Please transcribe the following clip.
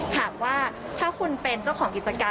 ถามว่าถ้าคุณเป็นเจ้าของกิจการ